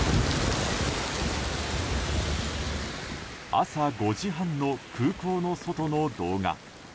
朝５時半の空港の外の動画。